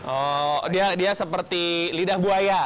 oh dia seperti lidah buaya